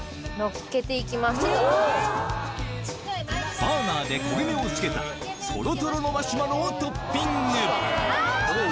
バーナーで焦げ目をつけたトロトロのマシュマロをトッピング。